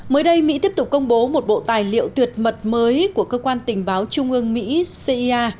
mới đây mỹ tiếp tục công bố một bộ tài liệu tuyệt mật mới của cơ quan tình báo trung ương mỹ cia